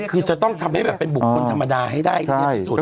คือจะต้องทำให้เป็นบุคคลธรรมดาให้ได้